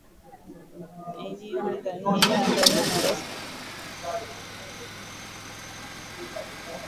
Iliyoandaliwa na Rais Kenyatta mwenyeji wa mkutano wa wakuu wa nchi za Jumuiya ya Afrika mashariki.